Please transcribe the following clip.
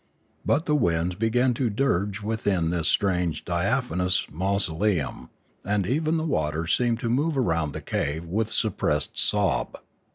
But the winds began to dirge within this strange diaphanous mausoleum ; and even the waters seemed to move around the cave with suppressed sob.